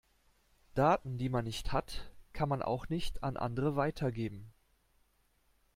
Daten, die man nicht hat, kann man auch nicht an andere weitergeben.